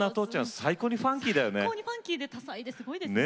最高にファンキーで多彩ですごいですね。